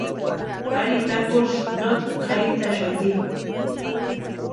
Ari takusï notki kʼarhintʼaxati.